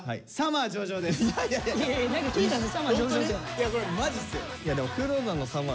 いやこれマジっすよ。